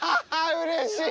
うれしい！